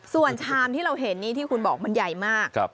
ส่วนชามที่เราเห็นนี่ที่คุณบอกมันใหญ่มาก